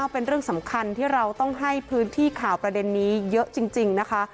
เป็นเรื่องสำคัญที่เราต้องให้พื้นที่ข่าวประเด็นนี้เยอะจริงนะคะ